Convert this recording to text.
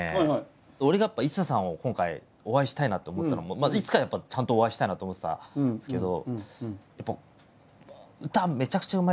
俺がやっぱＩＳＳＡさんを今回お会いしたいなと思ったのもいつかやっぱちゃんとお会いしたいなと思ってたんですけど。